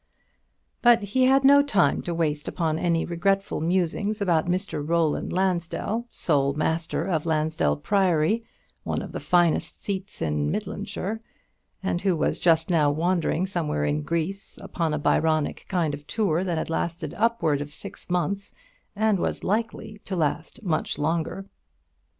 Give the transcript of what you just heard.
But he had no time to waste upon any regretful musings about Mr Roland Lansdell, sole master of Lansdell Priory, one of the finest seats in Midlandshire, and who was just now wandering somewhere in Greece, upon a Byronic kind of tour that had lasted upwards of six months, and was likely to last much longer.